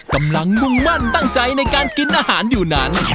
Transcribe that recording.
กำลังมุ่งมั่นตั้งใจในการกินอาหารอยู่นั้น